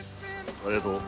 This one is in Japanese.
ありがとう。